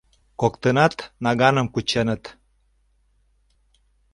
Коктынат наганым кученыт.